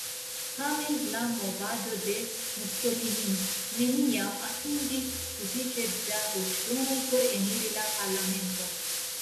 Tamen, la movado de Mussolini neniam atingis sufiĉe da voĉdonoj por eniri la parlamenton.